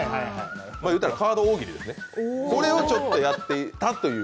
言うたらカード大喜利ですね、これをやってたと。